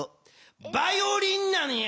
バイオリンなんや！